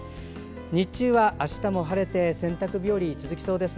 日中はあしたも晴れて洗濯日和が続きそうです。